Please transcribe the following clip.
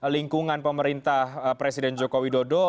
lingkungan pemerintah presiden joko widodo